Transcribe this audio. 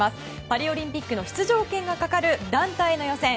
パリオリンピックの出場権がかかる団体の予選。